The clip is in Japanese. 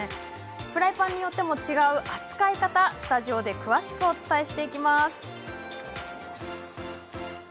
フライパンによっても違う扱い方スタジオで詳しくお伝えします。